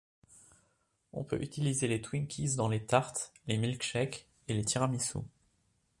On peut utiliser les Twinkies dans les tartes, les milkshakes et les tiramisus.